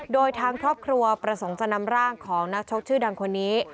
โดยทางครอบครัวประสงค์จะนำร่างของนักชกชื่อดังคนนี้